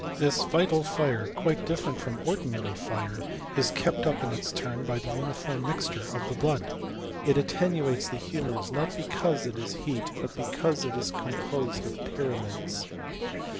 This vital fire, quite difierent from ordinary fire is kept up in its turn by the uniform mixture of the blood. It attenuates the hnmours, not because it is heat but because it is com posed of pyramids.